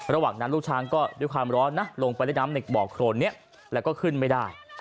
ระหว่างนั้นลูกช้างก็ด้วยความร้อนนะลงไปเล่นน้ำในบ่อโครนนี้แล้วก็ขึ้นไม่ได้